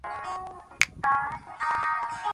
তোর সঙ্গে কি দেখা হয় নাই?